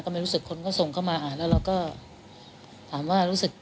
ไม่รู้สึกคนก็ส่งเข้ามาอ่านแล้วเราก็ถามว่ารู้สึก